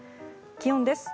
気温です。